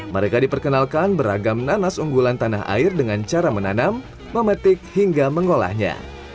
mereka diperkenalkan beragam nanas unggulan tanah air dengan cara menanam memetik hingga mengolahnya